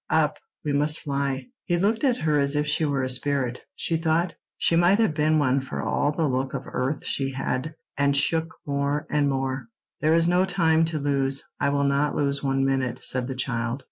Up! We must fly." He looked at her as if she were a spirit—she might have been one for all the look of earth she had—and shook more and more. "There is no time to lose; I will not lose one minute," said the child.